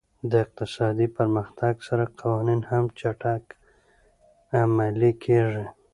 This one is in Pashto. د اقتصادي پرمختګ سره قوانین هم چټک عملي کېږي.